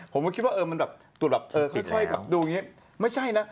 ผมคิดว่าขยับดูไม่ใช่นะ